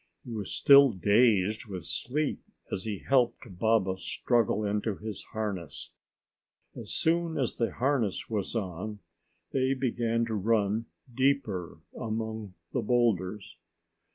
He was still dazed with sleep as he helped Baba struggle into his harness. As soon as the harness was on, they began to run deeper among the boulders.